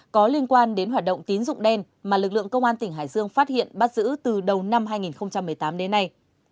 có liên quan đến hoạt động tín dụng đen mà lực lượng công an tỉnh hải dương phát hiện bắt giữ từ đầu năm hai nghìn một mươi tám đến nay